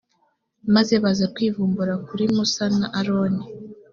maze baza kwivumbura kuri musa na aroni.